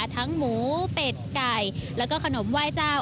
หมูเป็ดไก่แล้วก็ขนมไหว้เจ้า